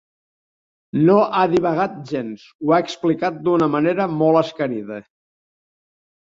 No ha divagat gens: ho ha explicat d'una manera molt escarida.